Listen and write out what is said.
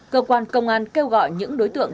cơ quan công an kêu gọi những đối tượng